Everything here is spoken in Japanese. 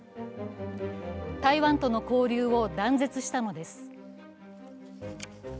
台湾との交流を断絶したのです。